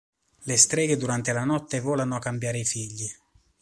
Le Streghe durante la notte volano a cambiare i figli.